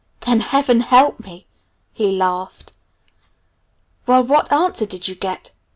"Then Heaven help me!" he laughed. "Well, what answer did you get?"